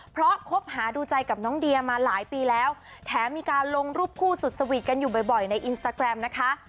เพราะคบหาดูใจกับน้องเดียมาหลายปีแล้วแถมมีการลงรูปคู่สุดสวีทกันอยู่บ่อยในอินสตาแกรมนะคะ